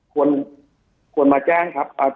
ควรมาแจ้งครับ